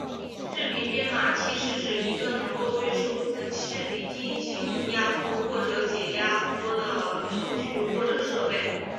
视频编解码器是指一个能够对数字视频进行压缩或者解压缩的程序或者设备。